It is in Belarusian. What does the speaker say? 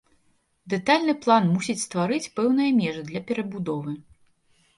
Дэтальны план мусіць стварыць пэўныя межы для перабудовы.